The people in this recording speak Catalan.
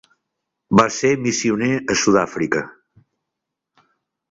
Va ser missioner a Sud-àfrica.